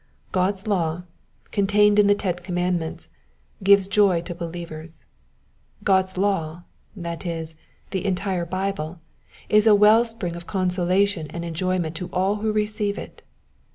God's law, contained in the ten commandments, ^ves joy to believers. God's law, that is, the entire Bible, is a well spnng of consolation and enjoyment to all who receive it.